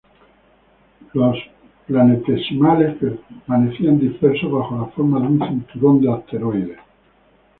Los planetesimales permanecieran dispersos bajo la forma de un cinturón de asteroides.